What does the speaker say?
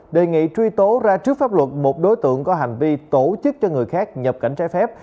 đề nghị truy tố ra trước pháp luật một đối tượng có hành vi tổ chức cho người khác nhập cảnh trái phép